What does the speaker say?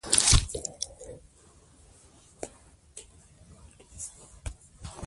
دولت هم مالي مدیریت ته اړتیا لري.